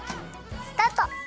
スタート！